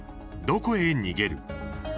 どこへ逃げる？」。